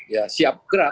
ya siap gerak